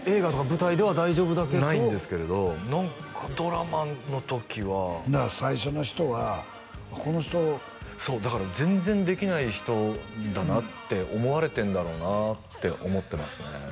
舞台では大丈夫だけどないんですけれど何かドラマの時はだから最初の人はこの人そうだから全然できない人だなって思われてんだろうなって思ってますね